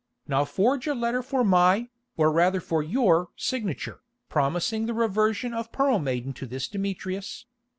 Now forge a letter for my, or rather for your signature, promising the reversion of Pearl Maiden to this Demetrius.